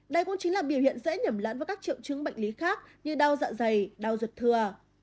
đây cũng chính là biểu hiện dễ nhẩm lãn với các triệu chứng bệnh lý khác như đau dạ dày đau rượt thừa